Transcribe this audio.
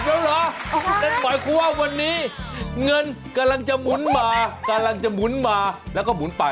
๓๐แล้วเหรอหมายความว่าวันนี้เงินกำลังจะหมุนมาแล้วก็หมุนไป